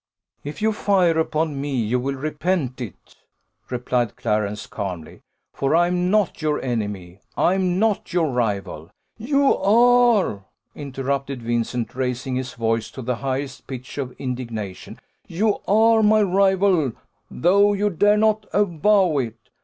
"If you fire upon me, you will repent it," replied Clarence calmly; "for I am not your enemy I am not your rival." "You are," interrupted Vincent, raising his voice to the highest pitch of indignation: "you are my rival, though you dare not avow it!